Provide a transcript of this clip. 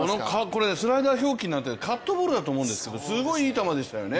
これ、スライダー表記になってるんですけどカットボールだと思うんですけど、すごいいい球でしたよね。